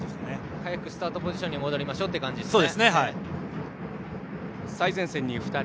早くスタートポジションに戻りましょうという感じですね。